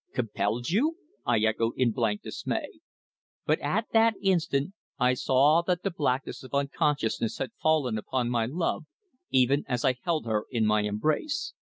"Compelled you!" I echoed in blank dismay. But at that instant I saw that the blackness of unconsciousness had fallen upon my love even as I held her in my embrace.